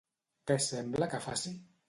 Què sembla que faci?